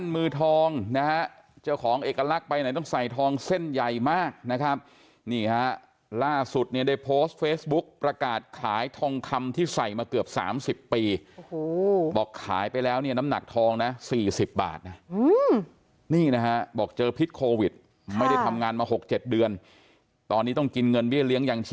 ไม่ได้โทษใครนะครับผลประทบนี้ก็เป็นมวงป้าง